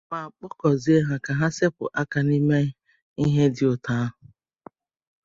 ma kpọkuzie ha ka sepu aka n'ime ihe dị otu ahụ